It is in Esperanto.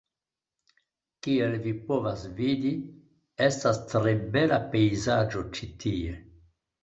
Kiel vi povas vidi, estas tre bela pejzaĝo ĉi tie.